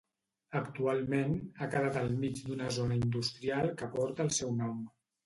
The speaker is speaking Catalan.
Actualment, ha quedat al mig d'una zona industrial que porta el seu nom.